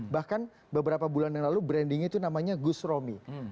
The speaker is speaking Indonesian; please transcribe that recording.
bahkan beberapa bulan yang lalu brandingnya itu namanya gus romi